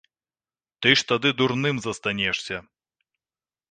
Ты ж тады дурным застанешся.